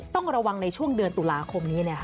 ต้องระวังในช่วงเดือนตุลาคมนี้เลยค่ะ